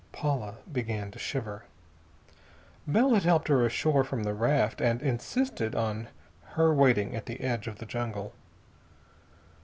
Paula began to shiver. Bell had helped her ashore from the raft and insisted on her waiting at the edge of the jungle.